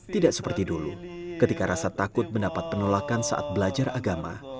tidak seperti dulu ketika rasa takut mendapat penolakan saat belajar agama